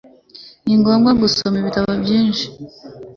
Ni ngombwa gusoma ibitabo byinshi.